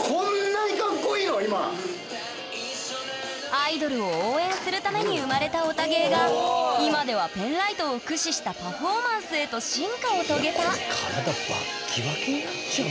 アイドルを応援するために生まれたヲタ芸が今ではペンライトを駆使したパフォーマンスへと進化を遂げたいやこれ体バッキバキになっちゃうよ。